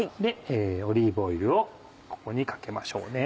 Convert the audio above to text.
オリーブオイルをここにかけましょうね。